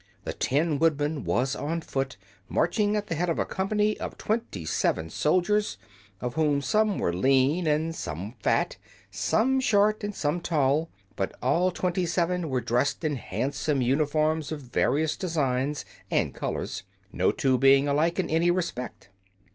The Tin Woodman was on foot, marching at the head of a company of twenty seven soldiers, of whom some were lean and some fat, some short and some tall; but all the twenty seven were dressed in handsome uniforms of various designs and colors, no two being alike in any respect.